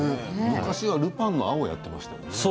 昔はルパンの青をやっていましたよね。